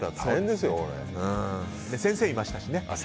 先生いましたしね。